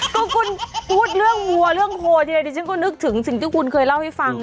ก็คุณพูดเรื่องวัวเรื่องโพทีอะไรดิฉันก็นึกถึงสิ่งที่คุณเคยเล่าให้ฟัง